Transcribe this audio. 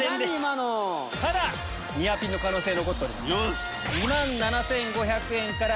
ただニアピンの可能性残っております。